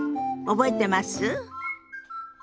覚えてます？